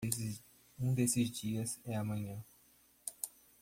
Um desses dias é amanhã.